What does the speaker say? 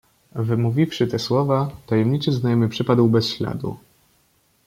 "„Wymówiwszy te słowa, tajemniczy nieznajomy przepadł bez śladu."